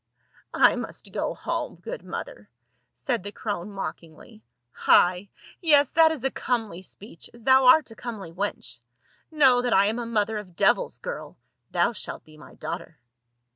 " I must go home, good mother !" said the crone IN THE TEMPLE OF BAAL. 89 mockingly. " Hi — yes, that is a comely speech as thou art a comely wench. Know that I am a mother of devils, girl, thou shalt be my daughter."